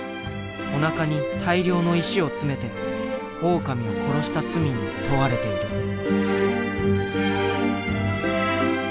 おなかに大量の石を詰めてオオカミを殺した罪に問われている。